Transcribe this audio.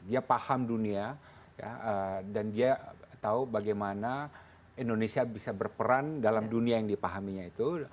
dia paham dunia dan dia tahu bagaimana indonesia bisa berperan dalam dunia yang dipahaminya itu